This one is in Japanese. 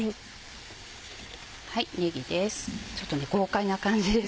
ねぎです